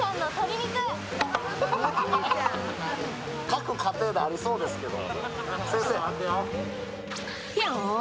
各家庭でありそうですけど。